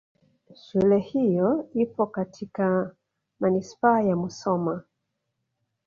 Shule hiyo ipo katika Manispaa ya Musoma